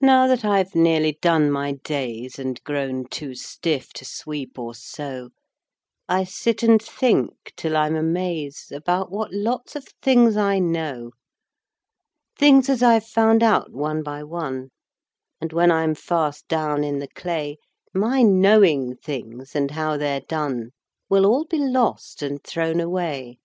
NOW that I've nearly done my days, And grown too stiff to sweep or sew, I sit and think, till I'm amaze, About what lots of things I know: Things as I've found out one by one And when I'm fast down in the clay, My knowing things and how they're done Will all be lost and thrown away.